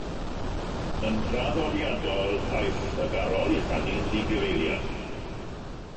Yn draddodiadol, caiff y garol ei chanu'n ddigyfeiliant.